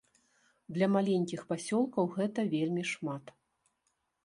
Для маленькіх пасёлкаў гэта вельмі шмат.